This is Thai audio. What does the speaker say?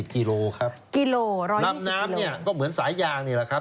กิโลครับกิโลร้อยลำน้ำเนี่ยก็เหมือนสายยางนี่แหละครับ